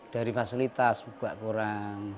dari atas juga kurang